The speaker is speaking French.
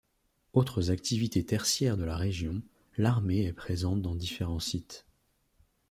Autres activités tertiaires de la région, l'armée est présente dans différents sites.